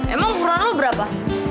emang ukuran lo berapa